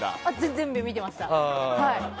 全部見てました。